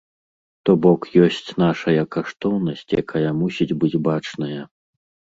То бок ёсць нашая каштоўнасць, якая мусіць быць бачная.